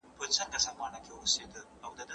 مونږ مکلف يو چي د بې وزلو کسانو لاسنيوی وکړو.